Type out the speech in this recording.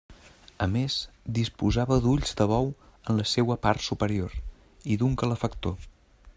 A més, disposava d'ulls de bou en la seua part superior, i d'un calefactor.